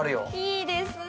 いいですね！